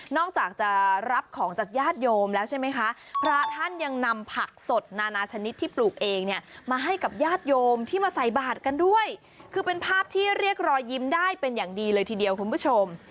จากจะรับของจากญาติโยมแล้วใช่ไหมคะพระท่านยังนำผักสดนานาชนิดที่ปลูกเองเนี่ยมาให้กับญาติโยมที่มาใส่บาทกันด้วยคือเป็นภาพที่เรียกรอยยิ้มได้เป็นอย่างดีเลยทีเดียวคุณผู้ชม